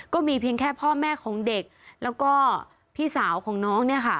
ก็มีเพียงแค่พ่อแม่ของเด็กแล้วก็พี่สาวของน้องเนี่ยค่ะ